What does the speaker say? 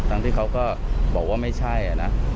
ที่เขาก็บอกว่าไม่ใช่นะ